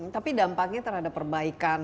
tapi dampaknya terhadap perbaikan